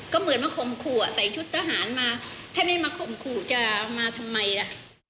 ก็เหมือนมาข่มขู่อ่ะใส่ชุดทหารมาถ้าไม่มาข่มขู่จะมาทำไมล่ะ